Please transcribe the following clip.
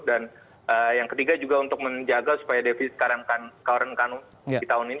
dan yang ketiga juga untuk menjaga supaya defisit karen kanu di tahun ini